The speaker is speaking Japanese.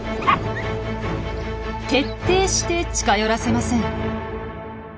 徹底して近寄らせません。